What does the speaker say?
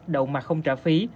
đậu mà không trả phí